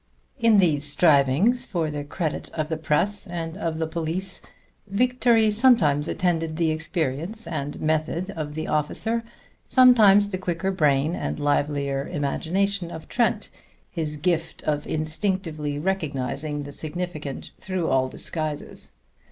In these strivings for the credit of the press and of the police, victory sometimes attended the experience and method of the officer, sometimes the quicker brain and livelier imagination of Trent, his gift of instinctively recognizing the significant through all disguises.